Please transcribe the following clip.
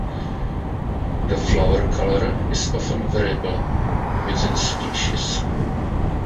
The flower colour is often variable within species.